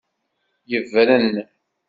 Yebren.